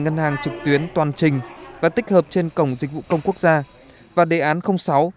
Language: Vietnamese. ngân hàng trực tuyến toàn trình và tích hợp trên cổng dịch vụ công quốc gia và đề án sáu